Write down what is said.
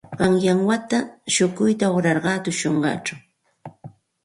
Qanyan wata shukuyta uqrashqayaq tushurqaa.